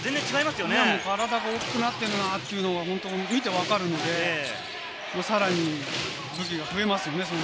体が大きくなってるなって、見て分かるので、さらに武器が増えますよね。